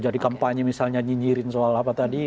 jadi kampanye misalnya nyinjirin soal apa tadi